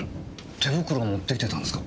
手袋持って来てたんですか？